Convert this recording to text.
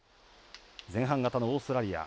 前半型のオーストラリア。